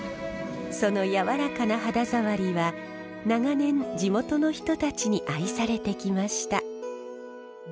その柔らかな肌触りは長年地元の人たちに愛されてきました。